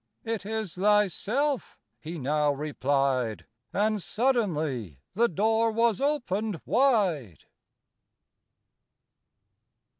—"It is thyself," he now replied, And suddenly the door was opened wide.